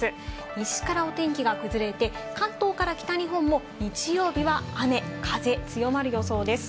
西からお天気が崩れて、関東から北日本も日曜日は雨、風、強まる予想です。